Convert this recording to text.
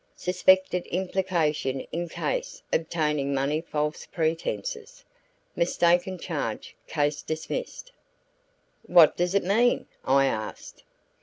Suspected implication in case obtaining money false pretences. Mistaken charge. Case dismissed." "What does it mean?" I asked.